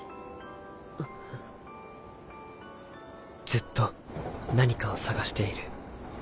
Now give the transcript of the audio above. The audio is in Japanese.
ずっと何かを探している。